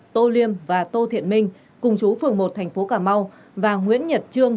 tô liêm và tô thiện minh cùng chú phường một thành phố cà mau và nguyễn nhật trương